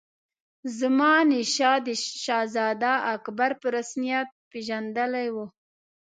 زمانشاه شهزاده اکبر په رسمیت پېژندلی وو.